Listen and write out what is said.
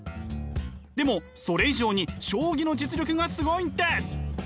でもそれ以上に将棋の実力がすごいんです！